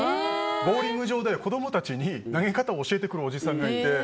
ボウリング場で子供たちに投げ方を教えてくるおじさんがいて。